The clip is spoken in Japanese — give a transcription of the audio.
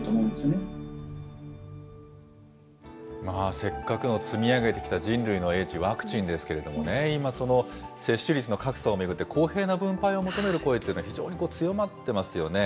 せっかくの積み上げてきた人類の英知、ワクチンですけれどもね、今、その接種率の格差を巡って、公平な分配を求める声というのは非常に強まってますよね。